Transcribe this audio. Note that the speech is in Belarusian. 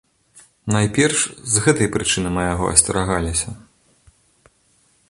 Найперш, з гэтай прычыны мы яго асцерагаліся.